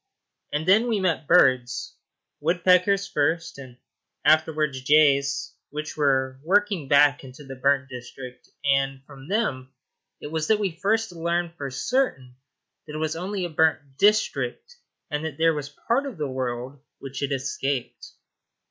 And then we met birds woodpeckers first, and afterwards jays, which were working back into the burnt district, and from them it was that we first learned for certain that it was only a burnt district, and that there was part of the world which had escaped.